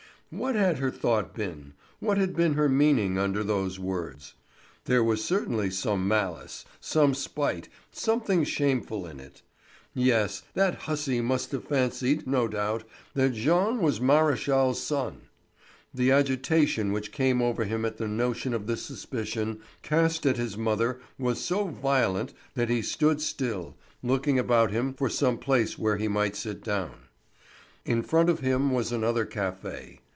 What had her thought been, what had been her meaning under those words? There was certainly some malice, some spite, something shameful in it. Yes, that hussy must have fancied, no doubt, that Jean was Maréchal's son. The agitation which came over him at the notion of this suspicion cast at his mother was so violent that he stood still, looking about him for some place where he might sit down. In front of him was another café.